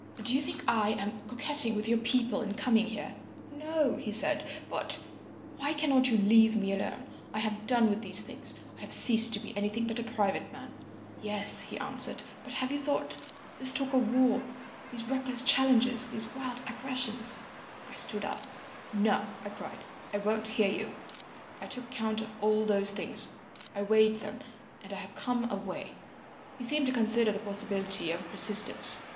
Do you think I am coquetting with your people in coming here?' "'No,' he said. 'But—' "'Why cannot you leave me alone. I have done with these things. I have ceased to be anything but a private man.' "'Yes,' he answered. 'But have you thought?—this talk of war, these reckless challenges, these wild aggressions—' "I stood up. "'No,' I cried. 'I won't hear you. I took count of all those things, I weighed them—and I have come away.' "He seemed to consider the possibility of persistence.